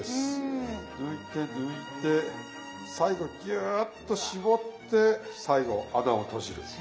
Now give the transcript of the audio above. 抜いて抜いて最後ギューッと絞って最後穴を閉じる。